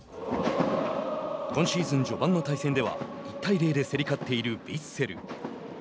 今シーズン序盤の対戦では１対０で競り勝っているヴィッセル。